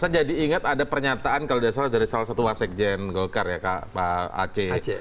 saya jadi ingat ada pernyataan kalau tidak salah dari salah satu wasekjen golkar ya pak aceh